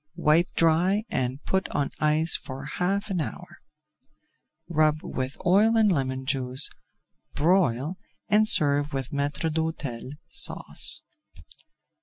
Wipe dry and put on ice for half an hour. Rub with oil and lemon juice, broil, and serve with Maître d'Hôtel Sauce.